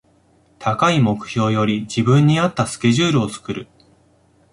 高い目標より自分に合ったスケジュールを作る